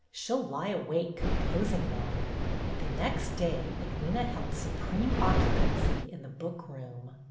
She'll lie awake composing them." The next day Edwyna held supreme occu pancy in the book room.